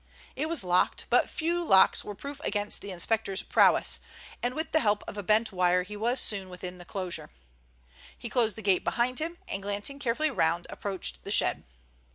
It was locked, but few locks were proof against the inspector's prowess, and with the help of a bent wire he was soon within the enclosure. He closed the gate behind him and, glancing carefully round, approached the shed.